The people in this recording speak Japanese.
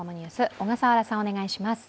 小笠原さん、お願いします。